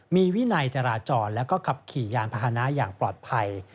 มีวินัยจราจรแล้วก็ขับขี่ยานพาหนะอย่างปลอดภัย